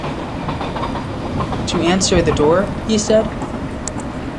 ‘To answer the door?’ he said.